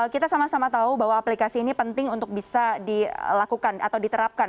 kita sama sama tahu bahwa aplikasi ini penting untuk bisa dilakukan atau diterapkan